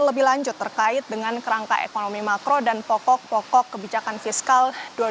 lebih lanjut terkait dengan kerangka ekonomi makro dan pokok pokok kebijakan fiskal dua ribu dua puluh